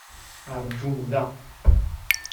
Rjum da!